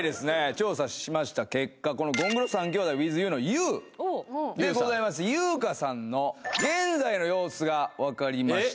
調査しました結果このゴングロ３兄弟ｗｉｔｈＵのＵでございますゆうかさんの現在の様子が分かりました